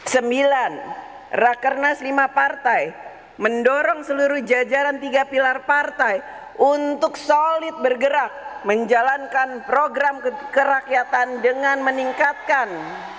sembilan rakernas lima partai mendorong seluruh jajaran tiga pilar partai untuk solid bergerak menjalankan program kerakyatan dengan meningkatkan